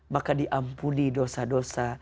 maka diampuni dosa dosa